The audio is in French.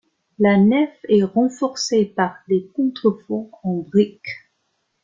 La nef est renforcée par des contreforts en brique.